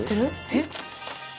えっ？